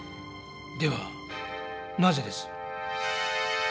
ではなぜです？